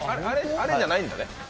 あれじゃないんだね？